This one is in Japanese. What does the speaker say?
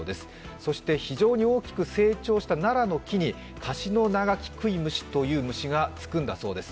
そして非常に大きく成長したナラの木にカシノナガキクイムシという虫がつくそうです。